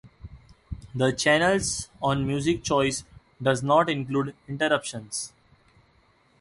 The channels on Music Choice does not include interruptions.